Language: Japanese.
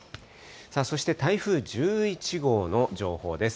そして台風１１号の情報です。